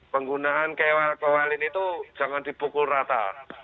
penggunaan kewal kewalin itu jangan dipukul rata